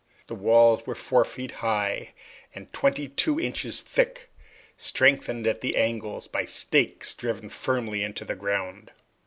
The walls were four feet high, and twenty two inches thick, strengthened at the angles by stakes driven firmly into the ground.